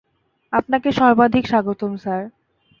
আপনাকে সর্বাধিক স্বাগতম, স্যার।